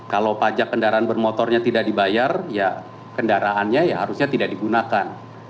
kalau pajak kendaraan bermotornya tidak dibayar ya kendaraannya ya harusnya tidak digunakan